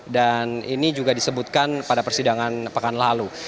dan ini juga disebutkan pada persidangan pekan lalu